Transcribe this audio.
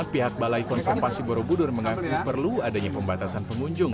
pihak balai konservasi borobudur mengaku perlu adanya pembatasan pengunjung